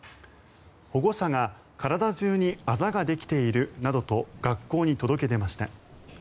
保護者が体中にあざができているなどと学校に届け出ました。